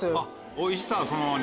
おいしさはそのままに。